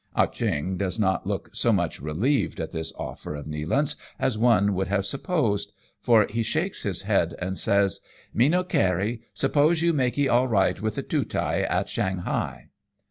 Ah Cheong does not look so much relieved at this offer of Nealance's as one would have supposed, for he shakes his head and says, " Me no caree, suppose you makee all right with the Tootai at Shanghai